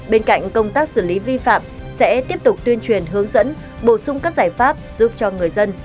bên cạnh công tác xử lý vi phạm sẽ tiếp tục tuyên truyền hướng dẫn bổ sung các giải pháp giúp cho người dân